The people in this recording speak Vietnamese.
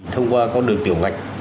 thông qua con đường tiểu ngạch